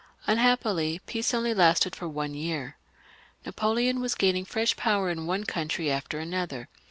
Unhappily, peace only lasted for one year. Napoleon was gaining jfresh power in one country after another.